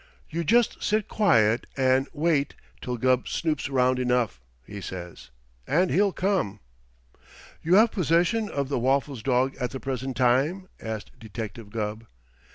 You just sit quiet an' wait till Gubb snoops round enough,' he says, 'and he'll come.'" "You have possession of the Waffles dog at the present time?" asked Detective Gubb.